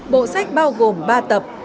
bộ sách bao gồm ba tập